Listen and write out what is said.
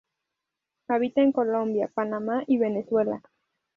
Habita en Colombia, Panamá y Venezuela.